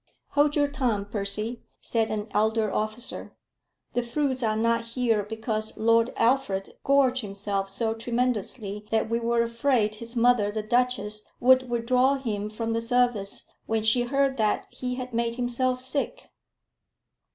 "Hold your tongue, Percy," said an elder officer. "The fruits are not here because Lord Alfred gorged himself so tremendously that we were afraid his mother, the duchess, would withdraw him from the service when she heard that he had made himself sick."